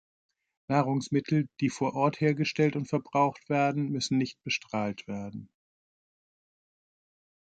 Nahrungsmittel, die vor Ort hergestellt und verbraucht werden, müssen nicht bestrahlt werden.